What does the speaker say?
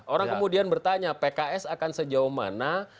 orang kemudian bertanya pks akan sejauh mana